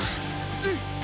うん！